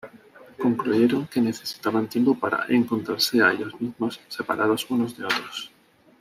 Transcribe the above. Concluyeron que necesitaban tiempo para "encontrarse a ellos mismos", separados unos de otros.